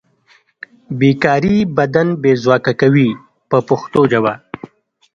بې کاري بدن بې ځواکه کوي په پښتو ژبه.